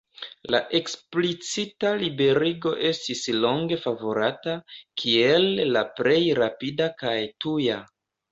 La eksplicita liberigo estis longe favorata, kiel la plej rapida kaj tuja.